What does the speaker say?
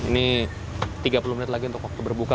ini tiga puluh menit lagi untuk waktu berbuka